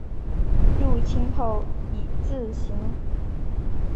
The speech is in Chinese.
入清后以字行。